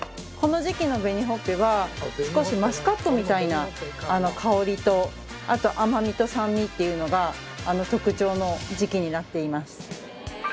少しマスカットみたいな香りとあと甘みと酸味っていうのが特徴の時期になっています。